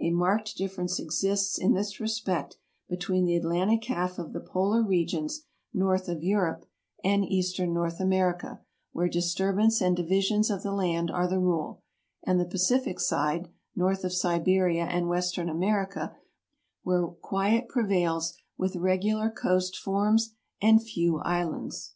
A marked difference exists in this respect be tween the Atlantic half of the polar regions north of Europe 94 TRAVELERS AND EXPLORERS and eastern North America, where disturbance and divisions of the land are the rule, and the Pacific side, north of Siberia and western America, where quiet prevails, with regular coast forms and few islands.